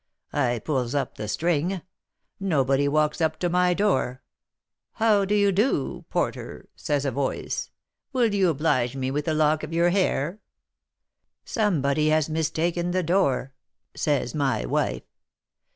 I pulls up the string, somebody walks up to my door, 'How do you do, porter?' says a voice; 'will you oblige me with a lock of your hair?' 'Somebody has mistaken the door,' says my wife.